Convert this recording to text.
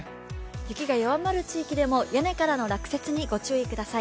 雪が弱まる地域でも屋根からの落雪にご注意ください。